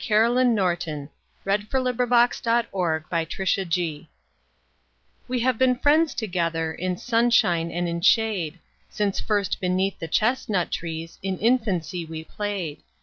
Caroline Norton We Have Been Friends Together WE have been friends together In sunshine and in shade, Since first beneath the chestnut trees, In infancy we played.